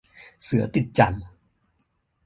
เสือติดจั่น